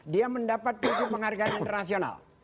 dia mendapat pupuk penghargaan internasional